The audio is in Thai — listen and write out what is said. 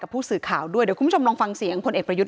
ผู้สื่อข่าวด้วยเดี๋ยวคุณผู้ชมลองฟังเสียงพลเอกประยุทธ์